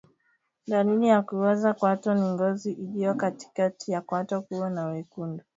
Dalili ya kuoza kwato ni ngozi iliyo katikati ya kwato kuwa na wekundu